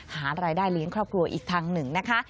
หารายได้เลี้ยงครอบครัวอีกทางหนึ่งนะคะ